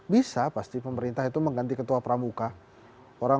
bisa pasti pemerintah itu mengganti ketua pramuka